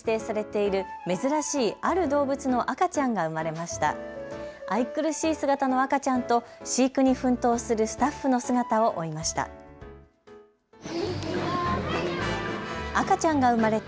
愛くるしい姿の赤ちゃんと飼育に奮闘するスタッフの姿を追いました。